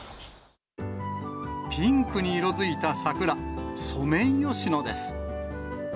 ピンクに色づいた桜、ソメイヨシノです。